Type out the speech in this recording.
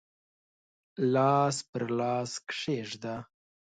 لاس پر لاس کښېږده